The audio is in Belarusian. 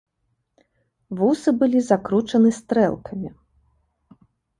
Вусы былі закручаны стрэлкамі.